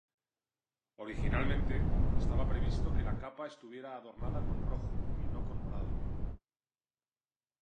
Originalmente, estaba previsto que la capa estuviera adornada con rojo y no con morado.